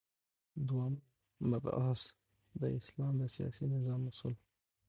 دوهم مبحث : د اسلام د سیاسی نظام اصول